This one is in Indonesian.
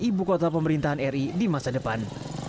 ibu kota pemerintahan ri di masa depan